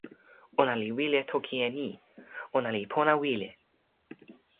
ona li wile toki e ni: ona li pona wile.